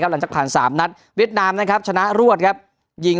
หลังจากผ่านสามนัดเวียดนามนะครับชนะรวดครับยิง